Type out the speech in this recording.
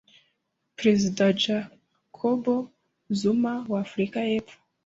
Perezida Jacob Zuma wa Africa y’epfo